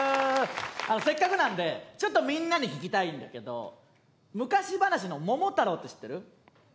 せっかくなのでちょっとみんなに聞きたいんだけど昔話の「桃太郎」って知ってる？